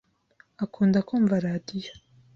Akunda kumva radio.